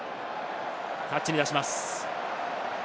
タッチに出します。